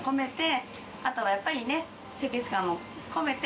あとはやっぱりね。